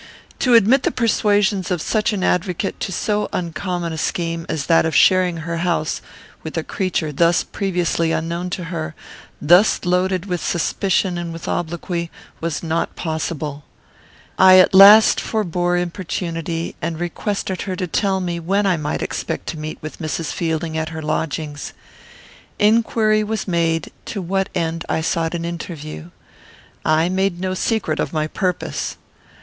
To admit the persuasions of such an advocate to so uncommon a scheme as that of sharing her house with a creature thus previously unknown to her, thus loaded with suspicion and with obloquy, was not possible. I at last forbore importunity, and requested her to tell me when I might expect to meet with Mrs. Fielding at her lodgings. Inquiry was made to what end I sought an interview. I made no secret of my purpose.